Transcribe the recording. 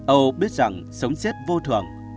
âu biết rằng sống chết vô thường